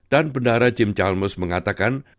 dan bendara jim chalmers mengatakan